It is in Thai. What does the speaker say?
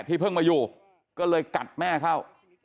เพิ่งมาอยู่ก็เลยกัดแม่เข้า